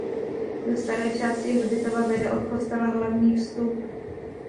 Do staré části hřbitova vede od kostela hlavní vstup.